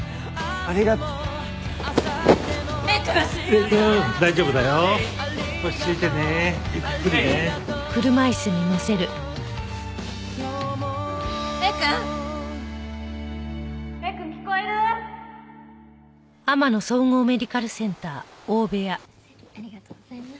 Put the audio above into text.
ありがとうございます。